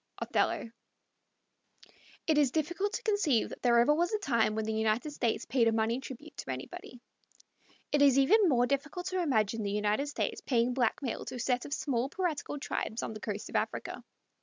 Othello. It is difficult to conceive that there ever was a time when the United States paid a money tribute to anybody. It is even more difficult to imagine the United States paying blackmail to a set of small piratical tribes on the coast of Africa.